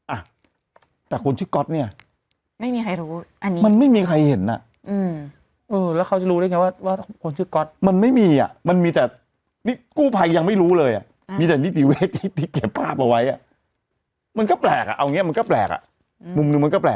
อ่ะแต่คนชื่อก็อตเนี่ยไม่มีใครรู้อันนี้มันไม่มีใครเห็นน่ะอืม